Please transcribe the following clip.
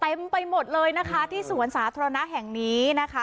ไปหมดเลยนะคะที่สวนสาธารณะแห่งนี้นะคะ